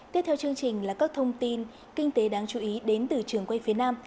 tiếp theo chương trình là các thông tin kinh tế đáng chú ý đến từ trường quay phía nam